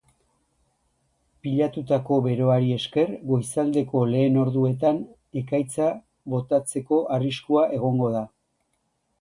Pilatutako beroari esker, goizaldeko lehen orduetan ekaitzak botatzeko arriskua egongo da.